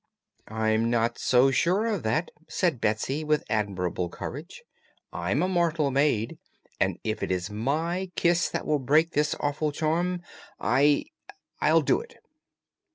"I'm not so sure of that," said Betsy, with admirable courage; "I'm a Mortal Maid, and if it is my kiss that will break this awful charm, I I'll do it!"